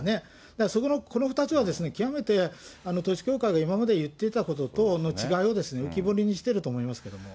だからこの２つは、極めて統一教会が今まで言ってたこととの違いを浮き彫りにしてると思いますけども。